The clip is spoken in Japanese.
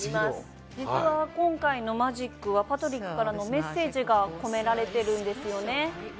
今回のマジックはパトリックからのメッセージが込められてるんですよね。